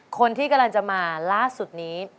คนที่กำลังจะมาล่าสุดนี้